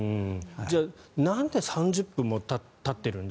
じゃあなんで３０分もたってるんだ